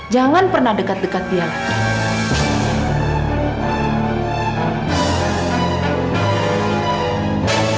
jangan pernah dekat dekat dia lagi